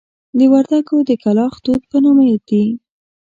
د وردکو د کلاخ توت په نامه دي.